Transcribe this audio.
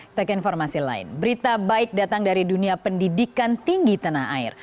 kita ke informasi lain berita baik datang dari dunia pendidikan tinggi tanah air